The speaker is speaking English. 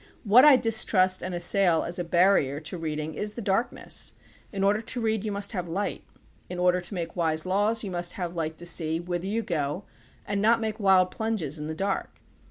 What I distrust and assail as a barrier to reading is the dark ness. In order to read you must have light. In order to make wise laws you must have light to see whither you go and not make wild plunges in the dark.